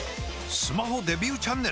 スマホデビューチャンネル！？